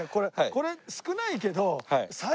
これ少ないけど。